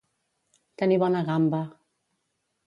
Tenir bona gamba.